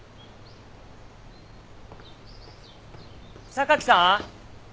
榊さん？